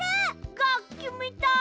がっきみたい！